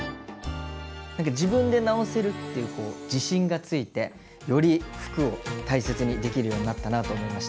何か自分で直せるっていうこう自信がついてより服を大切にできるようになったなと思いました。